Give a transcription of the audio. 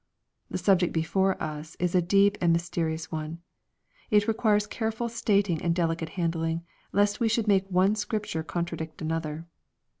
The subject before us is a deep and mysterious one. It requires careful stating and delicate handling, lest we should make one scripture contradict another.